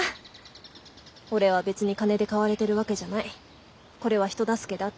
俺は別に金で買われてるわけじゃないこれは人助けだって。